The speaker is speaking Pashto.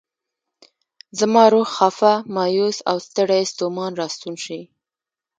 زما روح خفه، مایوس او ستړی ستومان راستون شي.